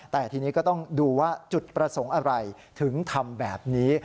แต่ทีนี้ก็ต้องดูว่าจุดประสงค์อะไรถึงทำแบบนี้